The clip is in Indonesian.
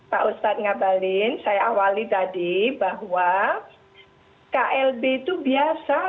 pak ustadz ngabalin saya awali tadi bahwa klb itu biasa